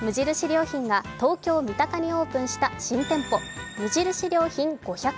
良品が東京・三鷹にオープンした新店舗、無印良品５００。